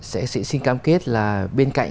sẽ xin cam kết là bên cạnh